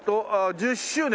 「１０周年」。